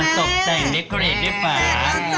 อสบใจนิคเกรดให้ฝาก